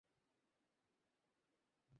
অবশেষে কাবীল এ দায়িত্বভার গ্রহণ করে।